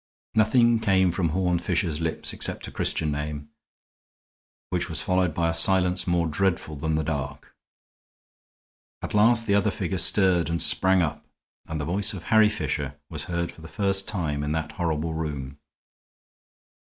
Nothing came from Horne Fisher's lips except a Christian name, which was followed by a silence more dreadful than the dark. At last the other figure stirred and sprang up, and the voice of Harry Fisher was heard for the first time in that horrible room.